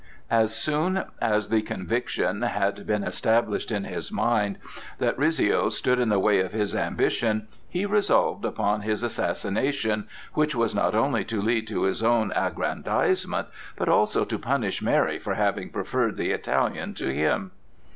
As soon as the conviction had been established in his mind that Rizzio stood in the way of his ambition, he resolved upon his assassination, which was not only to lead to his own aggrandizement, but also to punish Mary for having preferred the Italian to him.